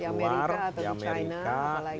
di amerika atau di china apa lagi